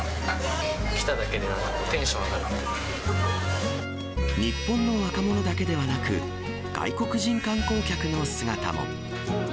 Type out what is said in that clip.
来ただけでなんかテンション上が日本の若者だけではなく、外国人観光客姿も。